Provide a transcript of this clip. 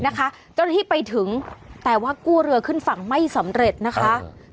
เจ้าหน้าที่ไปถึงแต่ว่ากู้เรือขึ้นฝั่งไม่สำเร็จนะคะ